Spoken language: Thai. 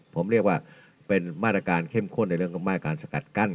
ผมเรียกว่าเป็นมาตรการเข้มข้นในเรื่องของมาตรการสกัดกั้น